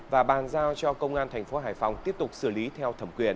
và bàn giao cho công an tp hải phòng tiếp tục xử lý theo thẩm quyền